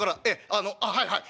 あのあっはいはい。